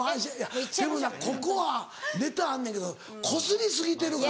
でもなここはネタあんねんけどこすり過ぎてるからな。